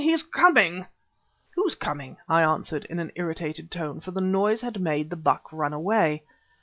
He's coming." "Who's coming?" I answered in an irritated tone, for the noise had made the buck run away.